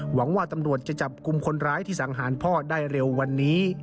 หวังว่าตำรวจจะจับกลุ่มคนร้ายที่สังหารพ่อได้เร็ววันนี้